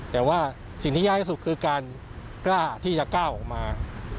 แต่ว่าสิ่งที่ยากที่สุดคือการกล้าที่จะก้าวออกมา